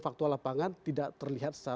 faktual lapangan tidak terlihat